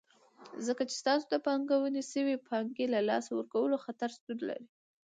ځکه چې ستاسو د پانګونې شوي پانګې له لاسه ورکولو خطر شتون لري.